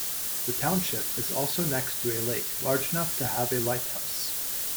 The township is also next to a lake large enough to have a lighthouse.